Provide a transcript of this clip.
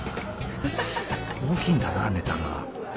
大きいんだなネタが。